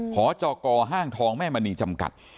หจกห้างทองแม่มณีจำกัด